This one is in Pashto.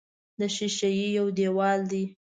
د ښیښې یو دېوال دی.